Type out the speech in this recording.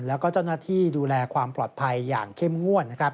และเจ้าหน้าที่ดูแลความปลอดภัยอย่างเข้มงวด